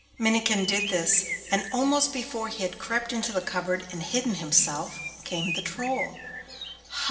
Minnikin did this, and almost before he had crept into the cupboard and hidden himself, came the Troll.